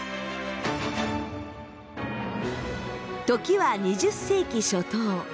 時は２０世紀初頭。